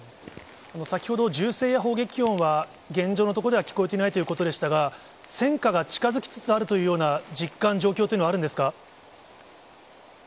先ほど、銃声や砲撃音は現状のとこでは聞こえていないということでしたが、戦火が近づきつつあるというような実感、状況というのはあるんですか。